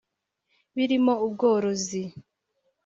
birimo ubworozi